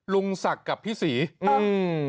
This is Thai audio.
ลุงศักดิ์กับพี่ศรีอืม